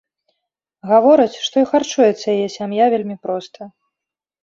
Гаворыць, што і харчуецца яе сям'я вельмі проста.